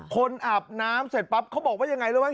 อาบน้ำเสร็จปั๊บเขาบอกว่ายังไงรู้ไหม